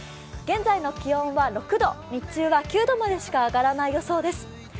現在の気温は６度、日中は９度までしか上がらない予想です。